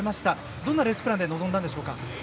どんなレースプランで臨んだんでしょうか？